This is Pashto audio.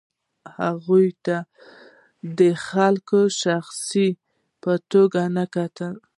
هغې ته د خپلواک شخص په توګه نه کتل کیږي.